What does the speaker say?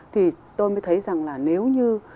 thì tôi mới thấy rằng là nếu như